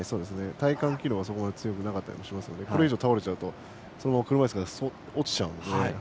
体幹機能が強くなかったりしますのでこれ以上倒れるとそのまま車いすから落ちちゃうので。